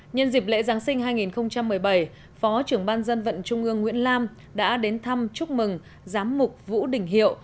nhân dịp lễ giáng sinh hai nghìn một mươi bảy phó trưởng ban dân vận trung ương nguyễn lam đã đến thăm chúc mừng giám mục vũ đình hiệu